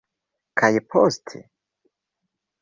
Kaj poste?